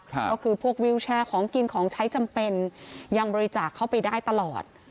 ก็คือพวกวิวแชร์ของกินของใช้จำเป็นยังบริจาคเข้าไปได้ตลอด